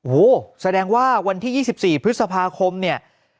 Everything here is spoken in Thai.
โอ้โหแสดงว่าวันที่๒๔พฤษภาคมเนี่ย